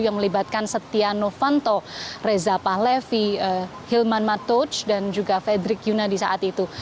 yang melibatkan setia novanto reza pahlevi hilman matoj dan juga fredrik yunadi saat itu